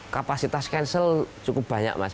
kapasitas cancel cukup banyak mas